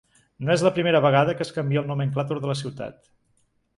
No és la primera vegada que es canvia el nomenclàtor de la ciutat.